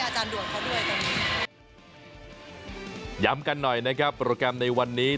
อาจารย์ด่วนเขาด้วยตรงนี้ย้ำกันหน่อยนะครับโปรแกรมในวันนี้